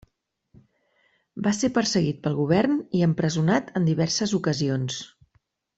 Va ser perseguit pel govern i empresonat en diverses ocasions.